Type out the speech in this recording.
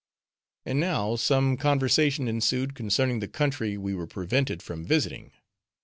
And now, some conversation ensued concerning the country we were prevented from visiting.